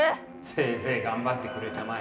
せいぜい頑張ってくれたまえ。